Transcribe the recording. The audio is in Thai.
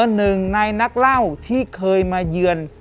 หนึ่งในนักเล่าที่เคยมาเยือน